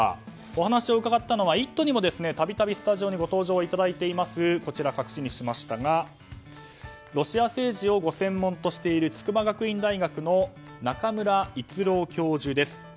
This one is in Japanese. お話を伺ったのは「イット！」にも度々スタジオにご登場いただいていますロシア政治をご専門としている筑波学院大学の中村逸郎教授です。